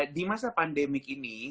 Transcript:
di masa pandemi ini